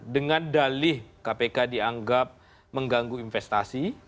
dengan dalih kpk dianggap mengganggu investasi